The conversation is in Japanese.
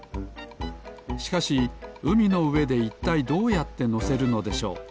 しかしうみのうえでいったいどうやってのせるのでしょう？